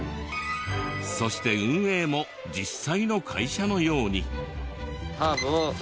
そして運営も実際の会社のように。